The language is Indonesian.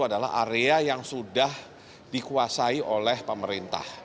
adalah area yang sudah dikuasai oleh pemerintah